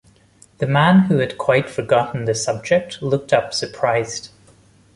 The man, who had quite forgotten the subject, looked up surprised.